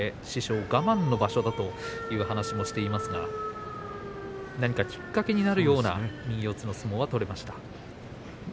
師匠は我慢の場所だという話をしていますがきっかけになるような右四つの相撲が取れました。